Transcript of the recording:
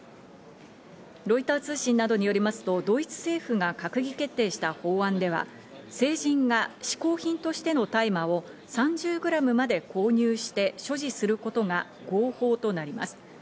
ロイター通信などによりますと、ドイツ政府が閣議決定した法案では、成人が嗜好品としての大麻を３０グラムまで購入して所持することが合法となります。